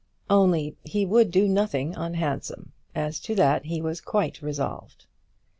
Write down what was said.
Only he would do nothing unhandsome. As to that he was quite resolved.